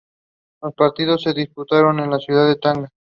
Los partidos se disputaron en la ciudad de Tanga.